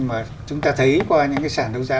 mà chúng ta thấy qua những cái sản đấu giá